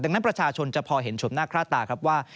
ดังนั้นประชาชนจะพอเห็นชมหน้าค่าตาครับว่า